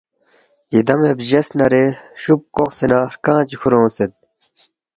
یدانی بجیس نارے شوپ کوقسے نہ ہرکنگ چی کھورے اونگسید